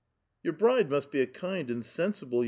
" Your bride must be a kind and sensible